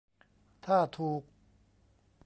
ถ้าถูก